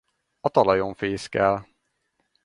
A talajon fészkel.